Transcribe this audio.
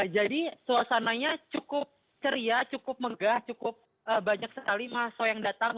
jadi suasananya cukup ceria cukup megah cukup banyak sekali maso yang datang